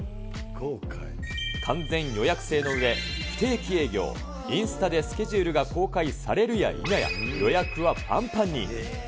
完全予約制のうえ、不定期営業、インスタでスケジュールが公開されるやいなや予約はぱんぱんに。